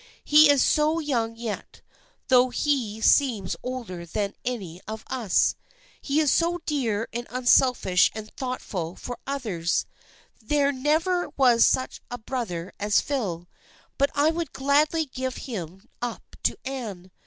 " He is so young yet, though he seems older than any of us. He is so dear and un selfish and thoughtful for others. There never was such a brother as Phil, but I would gladly give him up to Anne.